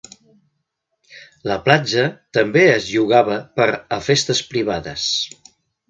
La platja també es llogava per a festes privades.